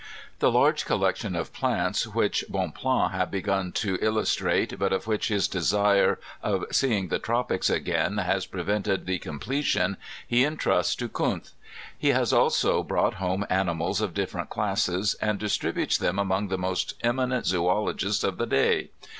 The large collection of plants which Bonpland had begun to illustrate, but of which his desire of seeing the tropics again has prevented the completion he entrusts to Kunth. He has also brought home animals of different classes, and distributes them among the most eminent zoologists of the day.